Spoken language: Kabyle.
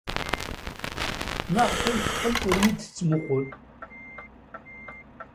Maɣef ay teqqel ur iyi-d-tettmuqqul?